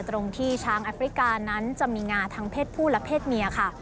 ตรงที่ช้างแอฟริกานั้นจะมีงาทั้งเพศผู้และเพศเมียค่ะ